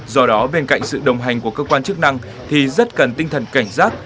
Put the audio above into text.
do đó bên cạnh sự đồng hành của cơ quan chức năng thì rất cần tinh thần cảnh giác